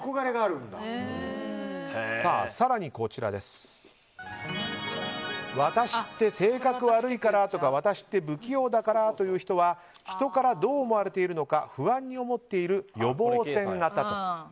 更に、私って性格悪いからとか分かって不器用だからという人は人からどう思われているのか不安に思っている予防線型と。